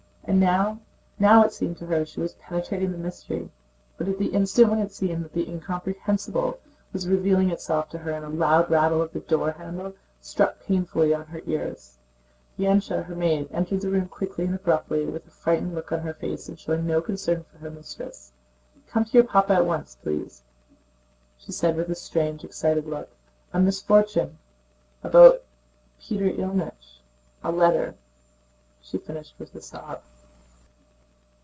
And now, now it seemed to her she was penetrating the mystery.... But at the instant when it seemed that the incomprehensible was revealing itself to her a loud rattle of the door handle struck painfully on her ears. Dunyásha, her maid, entered the room quickly and abruptly with a frightened look on her face and showing no concern for her mistress. "Come to your Papa at once, please!" said she with a strange, excited look. "A misfortune... about Peter Ilýnich... a letter," she finished with a sob.